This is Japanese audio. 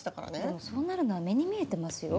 でもそうなるのは目に見えてますよ。